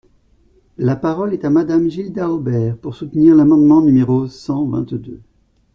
La parole est à Madame Gilda Hobert, pour soutenir l’amendement numéro cent vingt-deux.